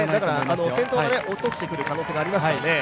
先頭が落としてくる可能性ありますからね。